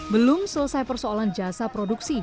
belum selesai persoalan jasa produksi